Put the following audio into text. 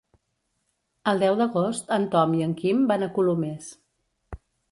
El deu d'agost en Tom i en Quim van a Colomers.